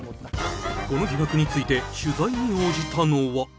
［この疑惑について取材に応じたのは］